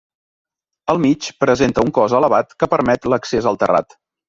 Al mig presenta un cos elevat que permet l'accés al terrat.